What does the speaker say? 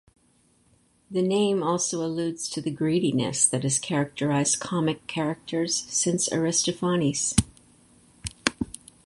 The name also alludes to the greediness that has characterized comic characters since Aristophanes.